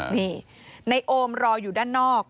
นายโอมรออยู่ด้านนอก